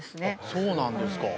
そうなんですか。